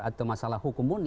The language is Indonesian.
atau masalah hukum pun